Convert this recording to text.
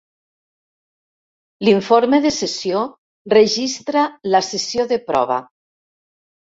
L'informe de sessió registra la sessió de prova.